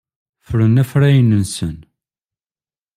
Ffren afrayen-nsen.